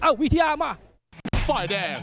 เอาวิทยามา